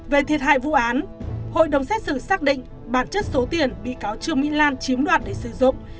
về thiệt hại vụ án hội đồng xét xử xác định bản chất số tiền bị cáo trương mỹ lan chiếm đoạt để sử dụng